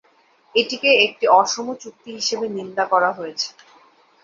এটিকে একটি "অসম" চুক্তি হিসাবে নিন্দা করা হয়েছে।